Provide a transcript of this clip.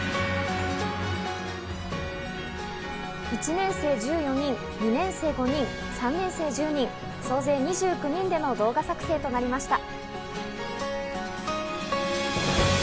１年生１４人、２年生５人、３年生１０人、総勢２９人での動画作成となりました。